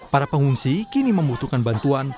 para pengungsi kini membutuhkan bantuan